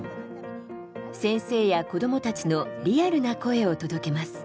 先生や子どもたちのリアルな声を届けます。